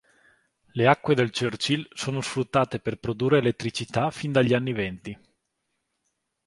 Le acque del Churchill sono sfruttate per produrre elettricità fin dagli anni venti.